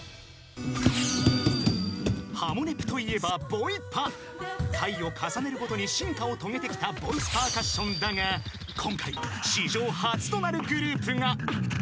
［『ハモネプ』といえばボイパ］［回を重ねるごとに進化を遂げてきたボイスパーカッションだが今回史上初となるグループが］